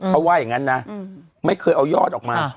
เขาว่าอย่างนั้นนะไม่เคยเอายอดออกมา